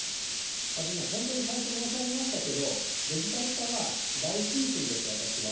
私ね、本当に最初申し上げましたけど、デジタル化は大推進です、私は。